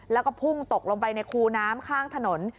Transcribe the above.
แล้วก็พุ่งตกลงไปในคูน้ำข้างถนน